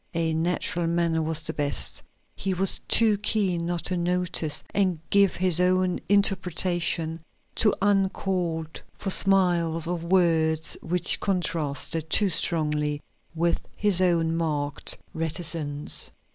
A natural manner was best; he was too keen not to notice and give his own interpretation to uncalled for smiles or words which contrasted too strongly with his own marked reticence.